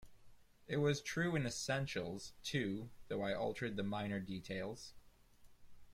It was true in essentials, too, though I altered the minor details.